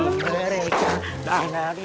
ya ditinggalin lagi